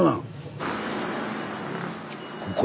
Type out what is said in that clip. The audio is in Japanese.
ここ？